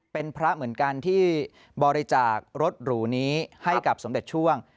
เป็นพระเหมือนกันที่บริจาครถหรูนี้ให้กับสมเด็จช่วง